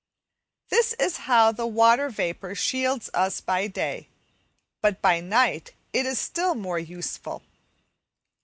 This is how the water vapour shields us by day, but by night it is still more useful.